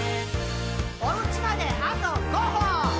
「おうちまであと５歩！」